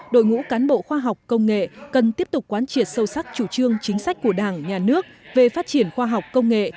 đội ngũ cán bộ khoa học công nghệ cần tiếp tục quán triệt sâu sắc chủ trương chính sách của đảng nhà nước về phát triển khoa học công nghệ